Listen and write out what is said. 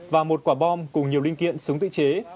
và một quả bom cùng nhiều linh kiện súng tự chế